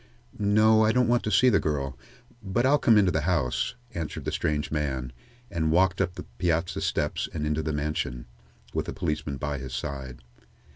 "No, I don't want to see the girl. But I'll come into the house," answered the strange man, and walked up the piazza steps and into the mansion, with the policeman by his side.